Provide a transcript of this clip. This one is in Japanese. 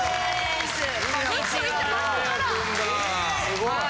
すごい！